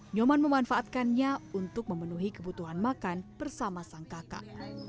nyoman memanfaatkannya untuk memenuhi kebutuhan makan bersama sang kakak